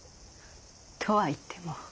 とはいっても。